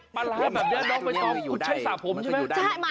ปลาร้าแบบนี้น้องไม่ต้องใช่สระผมใช่ไหม